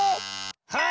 はい！